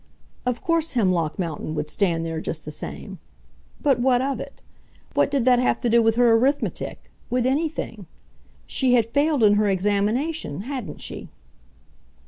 Of course Hemlock Mountain would stand there just the same. But what of it? What did that have to do with her arithmetic, with anything? She had failed in her examination, hadn't she?